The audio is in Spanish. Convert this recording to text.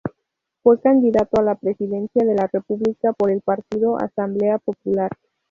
Fue candidato a la Presidencia de la República por el partido Asamblea Popular.